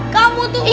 kamu tuh belain